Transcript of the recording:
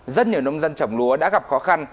rất nhiều nông dân trồng lúa đã gặp khó khăn